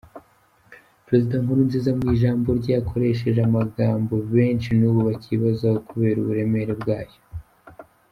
Perezida Nkurunziza mu ijambo rye yakoresheje amagambo benshi n’ubu bakibazaho kubera uburemere bwayo.